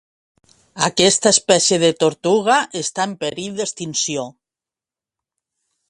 Aquesta espècie de tortuga està en perill d'extinció